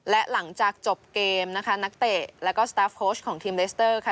และหลังจากจบเกมนะคะนักเตะแล้วก็สตาฟโค้ชของทีมเลสเตอร์ค่ะ